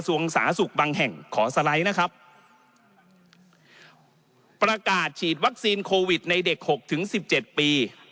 วัคซีนโควิดในเด็ก๖ถึง๑๗ปี